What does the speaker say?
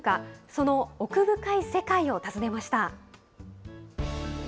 その奥深い世界を訪ねました。